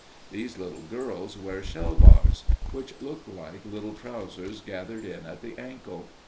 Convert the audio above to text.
These little girls wear shelvars, which look like little trousers gathered in at the ankle.